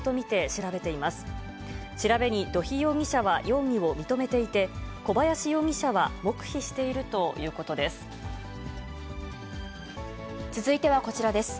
調べに土肥容疑者は容疑を認めていて、小林容疑者は黙秘しているということです。